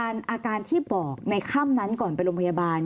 อาการที่บอกในค่ำนั้นก่อนไปโรงพยาบาล